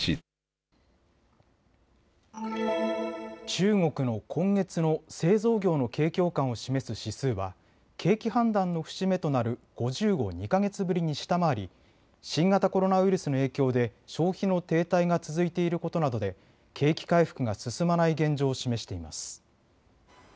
中国の今月の製造業の景況感を示す指数は景気判断の節目となる５０を２か月ぶりに下回り新型コロナウイルスの影響で消費の停滞が続いていることなどで景気回復が進まない現状を示しています。